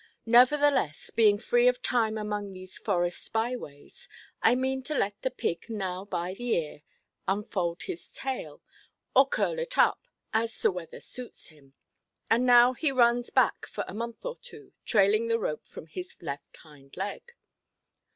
Nevertheless, being free of time among these forest by–ways, I mean to let the pig now by the ear unfold his tail, or curl it up, as the weather suits him. And now he runs back for a month or two, trailing the rope from his left hind–leg.